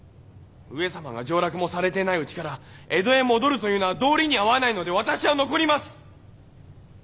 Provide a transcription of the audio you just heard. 上様が上洛もされてないうちから江戸へ戻るというのは道理に合わないので私は残ります！